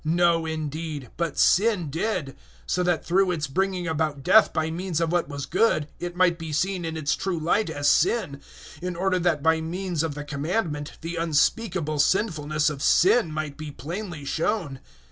No, indeed, but sin did; so that through its bringing about death by means of what was good, it might be seen in its true light as sin, in order that by means of the Commandment the unspeakable sinfulness of sin might be plainly shown.